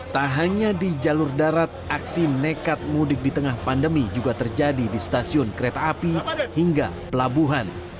tak hanya di jalur darat aksi nekat mudik di tengah pandemi juga terjadi di stasiun kereta api hingga pelabuhan